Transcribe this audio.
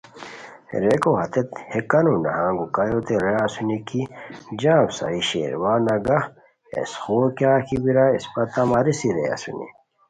ریکو ہتیت ہے کانو نہنگ کایوتے رے اسونی کی جام صحیح شیر، وا نگہ ہیس خور کیاغ کی بیرائے اسپہ تہ ماریسی رے اسونی